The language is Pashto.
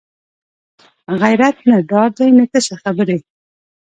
غیرت نه ډار دی نه تشه خبرې